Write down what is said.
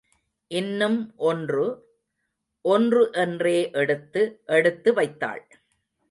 இன்னும் ஒன்று, ஒன்று—என்றே எடுத்து, எடுத்து வைத்தாள்.